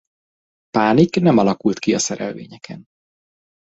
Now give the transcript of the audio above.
Pánik nem alakult ki a szerelvényeken.